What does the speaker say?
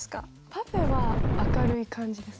「パフェ」は明るい感じです。